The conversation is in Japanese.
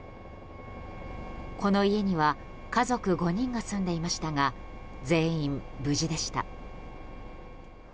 この家には家族５人が住んでいましたが全員無事でした。